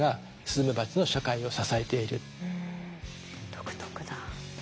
独特だ。